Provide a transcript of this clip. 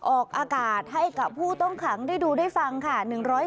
ออกอากาศให้กับผู้ต้องขังได้ดูได้ฟังค่ะ